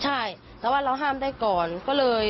ใช่แต่ว่าเราห้ามได้ก่อนก็เลย